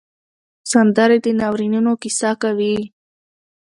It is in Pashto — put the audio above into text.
سندره د ناورینونو کیسه کوي